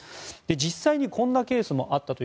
実際にこんなケースもあったと。